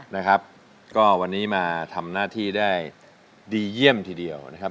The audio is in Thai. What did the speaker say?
นะครับก็วันนี้มาทำหน้าที่ได้ดีเยี่ยมทีเดียวนะครับ